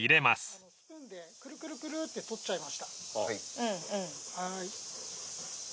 スプーンでクルクルクルって取っちゃいました。